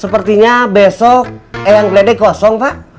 sepertinya besok eyang geledek kosong pak